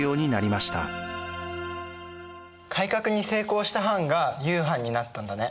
改革に成功した藩が雄藩になったんだね。